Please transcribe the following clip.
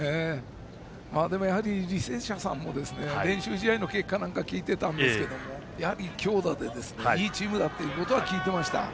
でも履正社さんも練習試合の結果聞いていましたがやはり強打でいいチームだとは聞いてました。